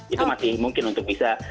itu masih mungkin untuk bisa